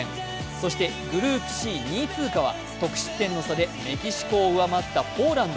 そしてグループＣ、２位通過は得失点の差でメキシコを上回ったポーランド。